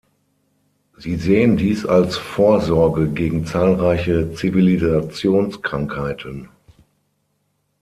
Sie sehen dies als Vorsorge gegen zahlreiche Zivilisationskrankheiten.